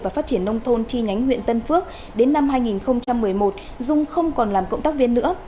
và phát triển nông thôn chi nhánh huyện tân phước đến năm hai nghìn một mươi một dung không còn làm cộng tác viên nữa